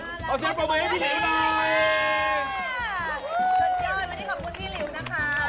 สุดยอดวันนี้ขอบคุณพี่หลิวนะคะ